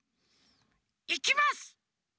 いきます！